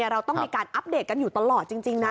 เราต้องมีการอัปเดตกันอยู่ตลอดจริงนะ